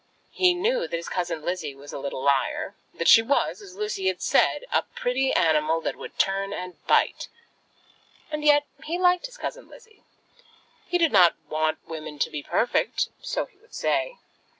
He knew that his cousin Lizzie was a little liar, that she was, as Lucy had said, a pretty animal that would turn and bite; and yet he liked his cousin Lizzie. He did not want women to be perfect, so he would say.